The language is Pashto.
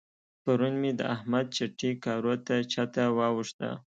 پرون مې د احمد چټي کارو ته چته واوښته.